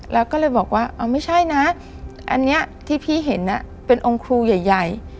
แล้วก็เลยบอกว่าเอาไม่ใช่นะอันนี้ที่พี่เห็นเป็นองค์ครูใหญ่